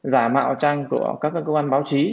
giả mạo trang của các cơ quan báo chí